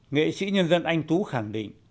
nghệ sĩ nhân dân anh tú khẳng định